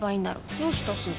どうしたすず？